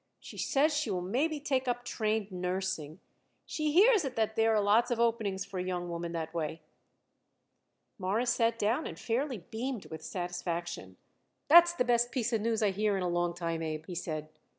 She says she will maybe take up trained nursing. She hears it that there are lots of openings for a young woman that way." Morris sat down and fairly beamed with satisfaction. "That's the best piece of news I hear it in a long time, Abe," he said.